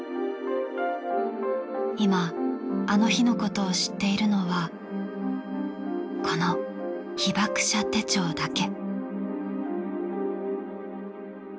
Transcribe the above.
今あの日のことを知っているのはこの被爆者手帳だけ。